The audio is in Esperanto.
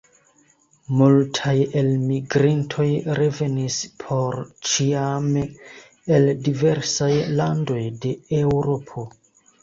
Multaj elmigrintoj revenis porĉiame el diversaj landoj de Eŭropo.